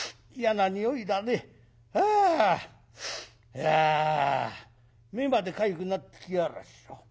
いや目までかゆくなってきやがら畜生。